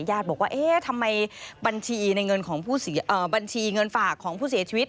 ญาติบอกว่าทำไมบัญชีเงินฝากของผู้เสียชีวิต